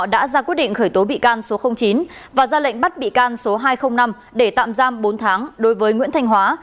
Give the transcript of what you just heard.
đã ra quyết định khởi tố bị can số chín và ra lệnh bắt bị can số hai trăm linh năm để tạm giam bốn tháng đối với nguyễn thanh hóa